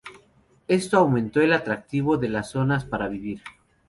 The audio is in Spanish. Esto aumentó el atractivo de las zonas para vivir.